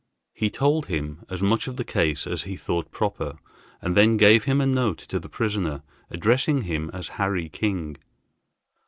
He told him as much of the case as he thought proper, and then gave him a note to the prisoner, addressing him as Harry King.